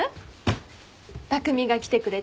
匠が来てくれて。